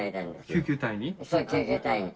救急隊に？